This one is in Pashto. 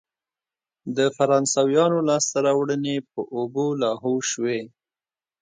د فرانسویانو لاسته راوړنې په اوبو لاهو شوې.